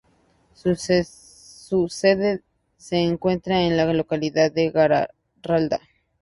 Su sede se encuentra en la localidad de Garralda.